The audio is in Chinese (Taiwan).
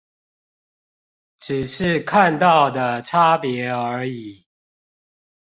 只是看到的差別而已？